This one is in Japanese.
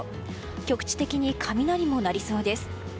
局地的に雷も鳴りそうです。